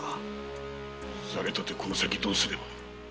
さりとてこの先どうすれば？